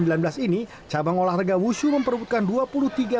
di pon ke sembilan belas ini cabang olahraga wusu memperlukan dua puluh tiga medali emas